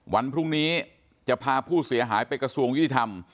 วันพรุ่งนี้จะพาผู้เสียหายไปกระทรวงยุติธรรม